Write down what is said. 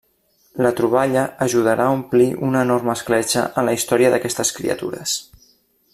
La troballa ajudarà a omplir una enorme escletxa en la història d'aquestes criatures.